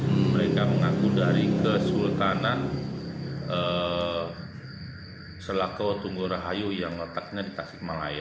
mereka mengaku dari kesultanan selako tunggur rahayu yang letaknya di tasikmalaya